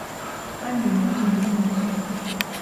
Badru mwe yayigira oluzungu.